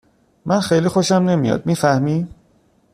من خیلی خوشم نمیاد می فهمی؟